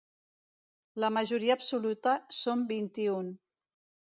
La majoria absoluta són vint-i-un.